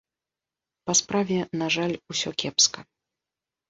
Па справе, на жаль, усё кепска.